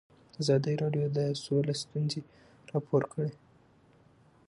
ازادي راډیو د سوله ستونزې راپور کړي.